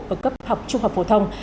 và cấp học trung học phổ thông